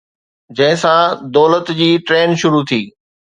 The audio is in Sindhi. جنهن سان دولت جي ٽرين شروع ٿي